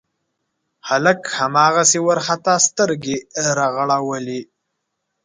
هلک هماغسې وارخطا سترګې رغړولې.